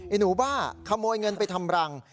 หนูบ้าขโมยเงินไปทำรัง